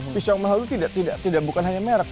pisau yang mahal itu bukan hanya merek